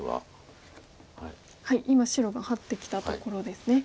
今白がハッてきたところですね。